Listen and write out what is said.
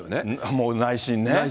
もう内心ね。